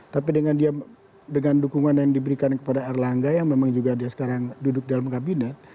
tapi dengan dia dengan dukungan yang diberikan kepada erlangga yang memang juga dia sekarang duduk dalam kabinet